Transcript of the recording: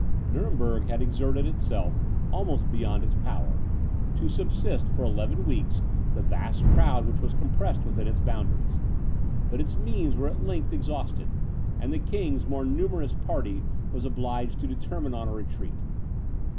Nuremberg had exerted itself, almost beyond its power, to subsist for eleven weeks the vast crowd which was compressed within its boundaries; but its means were at length exhausted, and the king's more numerous party was obliged to determine on a retreat.